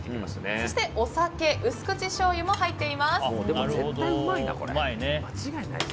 そして、お酒、薄口しょうゆも入っています。